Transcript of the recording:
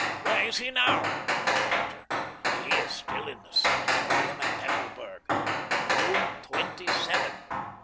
"Where is he now?" cried Peter. "He is still in the sanatorium at Tafelberg. In room twenty seven.